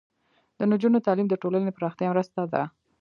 د نجونو تعلیم د ټولنې پراختیا مرسته ده.